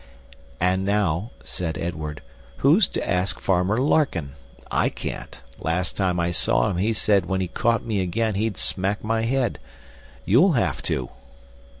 "And now," said Edward, "who's to ask Farmer Larkin? I can't; last time I saw him he said when he caught me again he'd smack my head. YOU'LL have to."